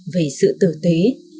về sự tử tế